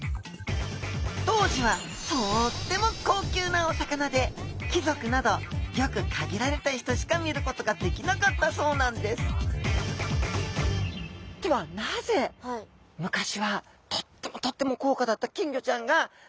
当時はとっても高級なお魚で貴族などギョく限られた人しか見ることができなかったそうなんですではなぜえっ何でなんだろう？